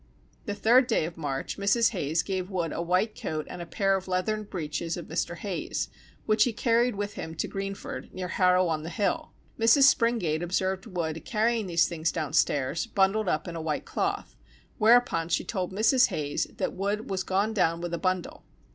The third day of March, Mrs. Hayes gave Wood a white coat and a pair of leathern breeches of Mr. Hayes's, which he carried with him to Greenford, near Harrow on the Hill. Mrs. Springate observed Wood carrying these things downstairs, bundled up in a white cloth, whereupon she told Mrs. Hayes that Wood was gone down with a bundle.